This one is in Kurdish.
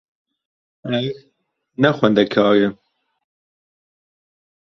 Ez ne xwendekar im.